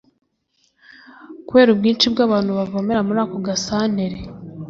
Kubera ubwinshi bw’abantu bavomera muri ako gasantere